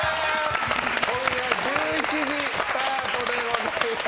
今夜１１時スタートでございます。